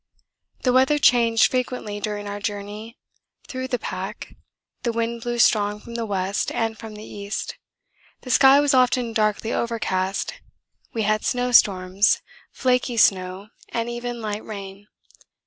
'The weather changed frequently during our journey through the pack. The wind blew strong from the west and from the east; the sky was often darkly overcast; we had snowstorms, flaky snow, and even light rain.